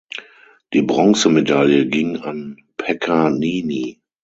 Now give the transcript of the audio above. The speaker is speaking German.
Die Bronzemedaille ging an Pekka Niemi.